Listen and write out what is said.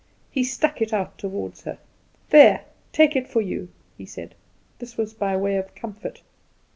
He stuck it out toward her. "There, take it for you," he said. This was by way of comfort.